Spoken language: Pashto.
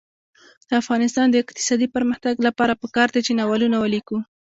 د افغانستان د اقتصادي پرمختګ لپاره پکار ده چې ناولونه ولیکو.